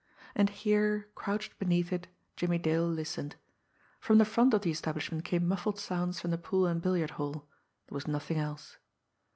And here, crouched beneath it, Jimmie Dale listened. From the front of the establishment came muffled sounds from the pool and billiard hall; there was nothing else.